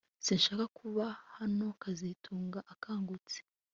Sinshaka kuba hano kazitunga akangutse